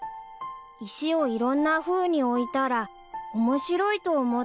［石をいろんなふうに置いたら面白いと思ったんだ］